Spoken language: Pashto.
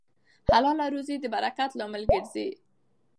حلاله روزي د برکت لامل ګرځي.